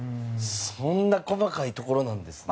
そんな細かいところなんですね。